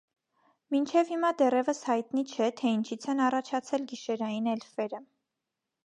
Մինչև հիմա դեռևս հայտնի չէ, թե ինչից են առաջացել գիշերային էլֆերը։